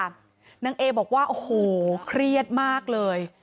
นางเอบอกว่าโอ้โหเครียดมากเลย